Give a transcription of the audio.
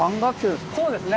そうですね